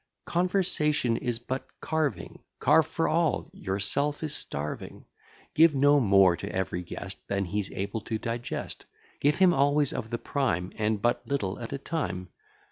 Conversation is but carving; Carve for all, yourself is starving: Give no more to every guest, Than he's able to digest; Give him always of the prime; And but little at a time.